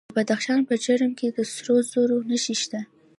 د بدخشان په جرم کې د سرو زرو نښې شته.